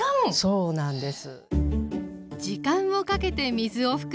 そうなんです。